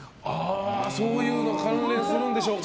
そういうの関連するんでしょうか。